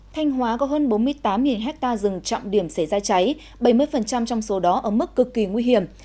thanh hóa có hơn bốn mươi tám ha rừng trọng điểm xảy ra cháy bảy mươi trong số đó ở mức cực kỳ nguy hiểm